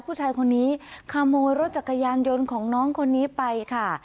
ผู้ชายคนนี้ขโมยรถจักรยานยนต์ของน้องคนนี้ไปค่ะ